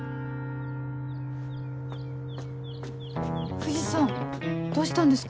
藤さんどうしたんですか？